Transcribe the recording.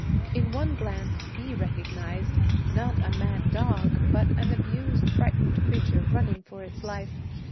In one glance he recognized, not a mad dog, but an abused, frightened creature running for its life.